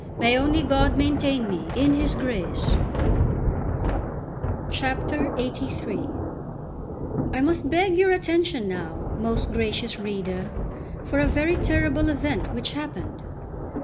May only God maintain me in His grace! LXXXIII I MUST beg your attention now, most gracious reader, for a very terrible event which happened.